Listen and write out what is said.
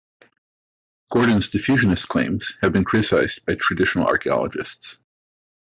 Gordon's diffusionist claims have been criticized by traditional archaeologists.